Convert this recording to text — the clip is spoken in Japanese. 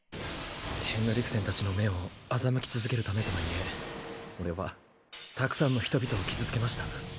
ヘンドリクセンたちの目を欺き続けるためとはいえ俺はたくさんの人々を傷つけました。